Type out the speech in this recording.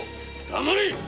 黙れ！